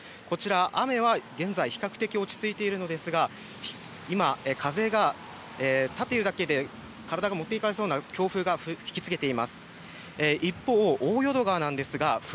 こちら雨は現在比較的落ち着いているのですが、今、風が立っているだけで体が持っていかれそうな強風が吹き付けています。